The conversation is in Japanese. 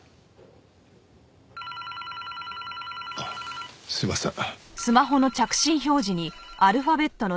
あっすいません。